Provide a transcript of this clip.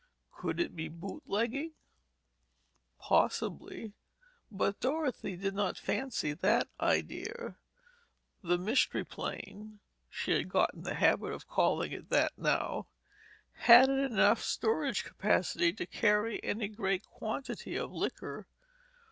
Could it be bootlegging? Possibly. But Dorothy did not fancy that idea. The Mystery Plane, (she had got in the habit of calling it that now) hadn't enough storage capacity to carry any great quantity of liquor.